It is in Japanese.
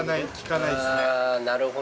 なるほど。